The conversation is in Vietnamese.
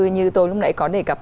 như tôi lúc nãy có đề cập